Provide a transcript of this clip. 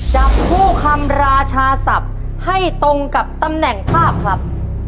จับคู่คำราชาศัพท์ให้ตรงกับตำแหน่งภาพครับ